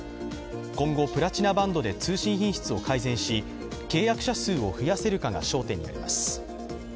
今後、プラチナバンドで通信品質を改善し、契約者数を増やせるかが焦点になります。